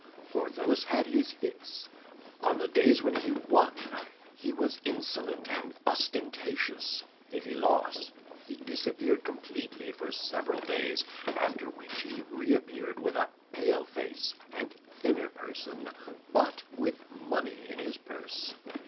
Porthos had his fits. On the days when he won he was insolent and ostentatious; if he lost, he disappeared completely for several days, after which he reappeared with a pale face and thinner person, but with money in his purse.